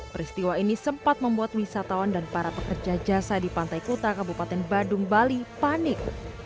peristiwa ini sempat membuat wisatawan dan para pekerja jasa di pantai kuta kabupaten badung bali panik